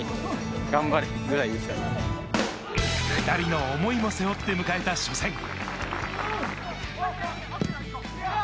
２人の思いも背負って迎えた初戦。